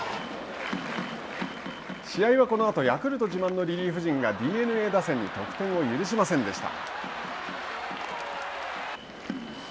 試合はこのあとヤクルト自慢のリリーフ陣がＤｅＮＡ打線に得点を許しませんでした。